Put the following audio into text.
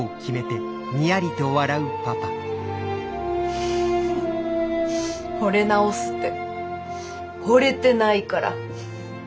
フフフほれ直すってほれてないから。